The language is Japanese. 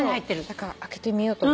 だから開けてみようと思う。